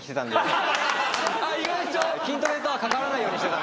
筋トレとは関わらないようにしてた。